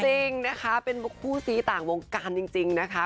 จริงนะคะเป็นคู่ซี้ต่างวงการจริงนะคะ